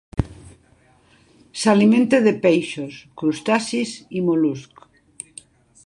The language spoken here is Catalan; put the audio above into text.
S'alimenta de peixos, crustacis i mol·luscs.